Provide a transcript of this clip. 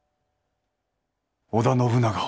織田信長を